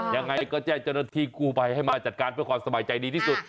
ยังไงก็แจ้งเจ้าหน้าที่กู้ภัยให้มาจัดการเพื่อความสบายใจดีที่สุด